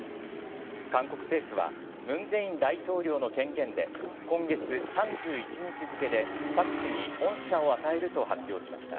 韓国政府は文在寅大統領の権限で今月３１日付で朴氏に恩赦を与えると発表しました。